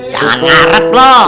jangan ngaret lo